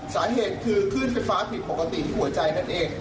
สาเหตุคือขึ้นไฟฟ้าผิดปกติที่หัวใจนั่นเอง